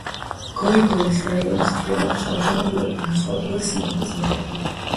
გოიგოლის რაიონის კლიმატის მაჩვენებლები განსხვავდება სიმაღლის მიხედვით.